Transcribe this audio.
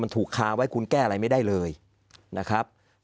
มันถูกค้าไว้คุณแก้อะไรไม่ได้เลยนะครับ